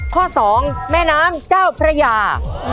ข้อ๒แม่น้ำเจ้าพระยา